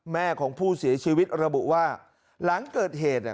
แม่ของผู้เสียชีวิตระบุว่าหลังเกิดเหตุเนี่ย